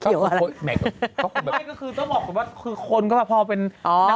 เกี่ยวว่าอะไรไม่ก็คือต้องบอกว่าคือคนก็แบบพอเป็นนางเอกอ๋อ